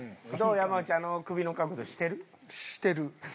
山内あの首の角度してる？